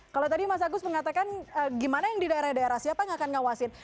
kalau tadi mas agus mengatakan gimana yang di daerah daerah siapa yang akan ngawasin